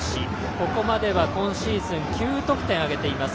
ここまでは今シーズン９得点挙げています。